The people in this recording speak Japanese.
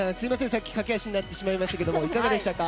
さっき駆け足になってしまいましたがいかがでしたか？